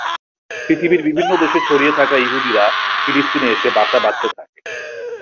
পৃথিবীর বিভিন্ন দেশে ছড়িয়ে থাকা ইহুদিরা ফিলিস্তিনে এসে বাসা বাঁধতে থাকে।